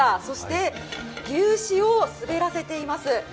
そして牛脂を滑らせています。